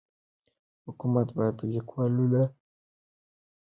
حکومت باید د لیکوالانو ملاتړ وکړي.